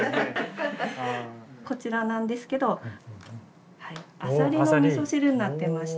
こちらなんですけどアサリのみそ汁になってまして。